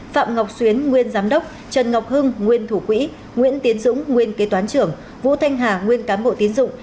phạm ngọc xuyến nguyên giám đốc trần ngọc hưng nguyên thủ quỹ nguyễn tiến dũng nguyên kế toán trưởng vũ thanh hà nguyên cán bộ tín dụng